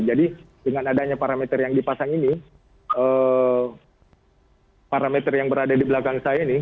jadi dengan adanya parameter yang dipasang ini parameter yang berada di belakang saya ini